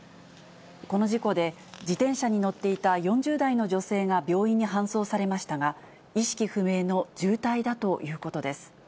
この事故で自転車に乗っていた４０代の女性が病院に搬送されましたが、意識不明の重体だということです。